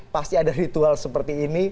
pasti ada ritual seperti ini